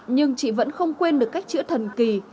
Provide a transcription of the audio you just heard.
nhưng chị vẫn không quên được cách chữa thần kỳ